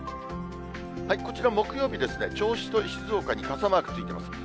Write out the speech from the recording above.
こちら、木曜日ですね、銚子と静岡に傘マークついています。